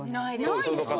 ないです。